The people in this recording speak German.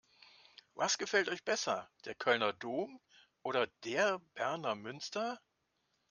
Was gefällt euch besser: Der Kölner Dom oder der Berner Münster?